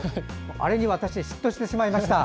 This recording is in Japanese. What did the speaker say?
あれに私、嫉妬してしまいました。